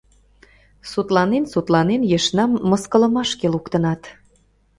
Сутланен-сутланен, ешнам мыскылымашке луктынат.